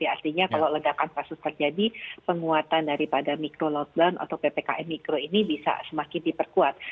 artinya kalau ledakan kasus terjadi penguatan daripada mikro lockdown atau ppkm mikro ini bisa semakin diperkuat